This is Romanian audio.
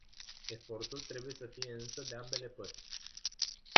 Efortul trebuie să fie însă de ambele părți.